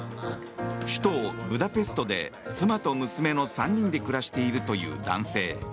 首都ブダペストで妻と娘の３人で暮らしているという男性。